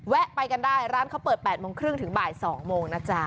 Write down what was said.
แวะไปกันได้ร้านเขาเปิด๘โมงครึ่งถึงบ่าย๒โมงนะจ๊ะ